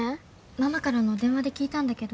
ママからの電話で聞いたんだけど。